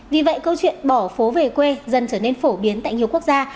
vì vậy câu chuyện bỏ phố về quê dần trở nên phổ biến tại nhiều quốc gia